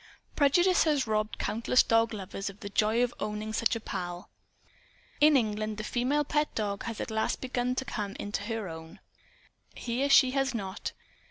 Prejudice has robbed countless dog lovers of the joy of owning such a pal. In England the female pet dog has at last begun to come into her own. Here she has not.